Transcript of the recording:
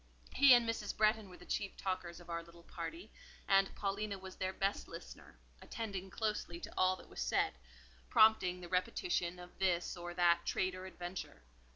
He and Mrs. Bretton were the chief talkers of our little party, and Paulina was their best listener, attending closely to all that was said, prompting the repetition of this or that trait or adventure.